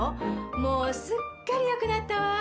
もうすっかり良くなったわ。